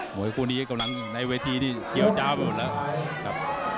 วยคู่นี้กำลังในเวทีที่เกี่ยวเจ้าไปหมดแล้วครับ